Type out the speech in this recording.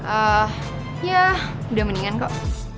eh ya udah mendingan kok